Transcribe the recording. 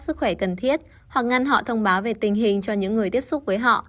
sức khỏe cần thiết hoặc ngăn họ thông báo về tình hình cho những người tiếp xúc với họ